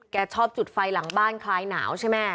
ชอบจุดไฟหลังบ้านคลายหนาวใช่ไหม